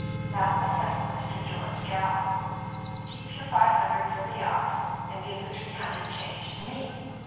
That will settle Mr. George Gallon! Keep your five hundred for the yacht, and give the three hundred change to me.